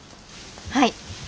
はい。